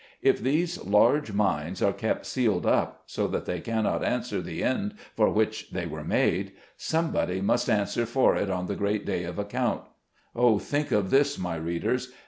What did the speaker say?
If these large minds are kept sealed up, so that they cannot answer the end for which they were made, somebody must answer for it on the great day of account. Oh, think of this, my readers